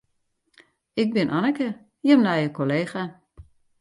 Ik bin Anneke, jim nije kollega.